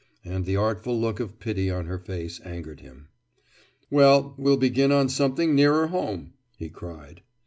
And the artful look of pity on her face angered him. "Well, we'll begin on something nearer home!" he cried.